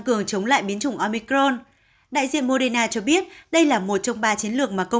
cường chống lại biến chủng omicron đại diện moderna cho biết đây là một trong ba chiến lược